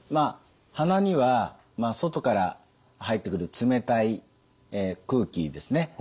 鼻には外から入ってくる冷たい空気ですね